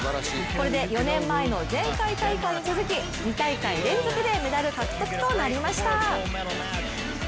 これで４年前の前回大会に続き２大会連続でメダル獲得となりました。